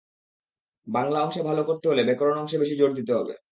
বাংলা অংশে ভালো করতে হলে ব্যাকরণ অংশে বেশি জোর দিতে হবে।